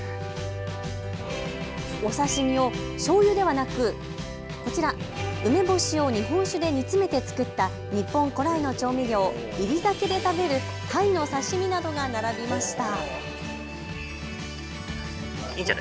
お刺身をしょうゆではなくこちら、梅干しを日本酒で煮詰めて作った日本古来の調味料、いり酒で食べるたいの刺身などが並びました。